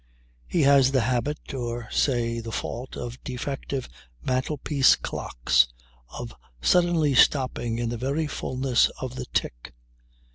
He has the habit, or, say, the fault, of defective mantelpiece clocks, of suddenly stopping in the very fulness of the tick.